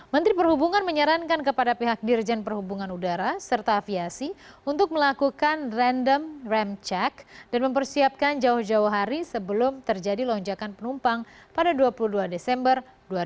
menteri perhubungan menyarankan kepada pihak dirjen perhubungan udara serta aviasi untuk melakukan random rem cek dan mempersiapkan jauh jauh hari sebelum terjadi lonjakan penumpang pada dua puluh dua desember dua ribu dua puluh